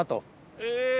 へえ。